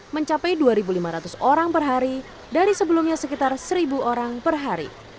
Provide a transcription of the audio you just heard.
mencapai dua lima ratus orang per hari dari sebelumnya sekitar seribu orang per hari